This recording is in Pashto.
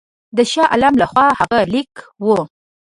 د شاه عالم له خوا هغه لیک وو.